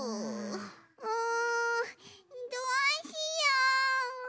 うんどうしよう？